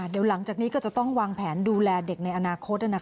เดี๋ยวหลังจากนี้ก็จะต้องวางแผนดูแลเด็กในอนาคต